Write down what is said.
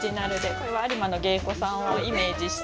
これは有馬の芸子さんをイメージした。